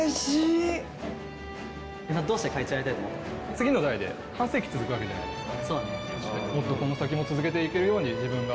次の代で半世紀続くわけじゃないですか。